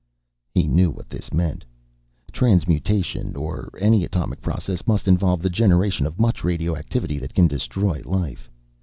He knew what this meant. Transmutation, or any atomic process, must involve the generation of much radioactivity that can destroy life.